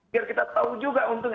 biar kita tahu juga untungnya